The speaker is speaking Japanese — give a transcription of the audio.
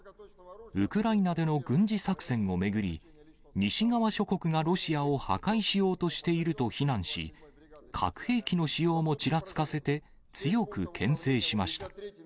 ウクライナでの軍事作戦を巡り、西側諸国がロシアを破壊しようとしていると非難し、核兵器の使用もちらつかせて、強くけん制しました。